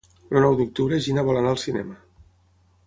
El nou d'octubre na Gina vol anar al cinema.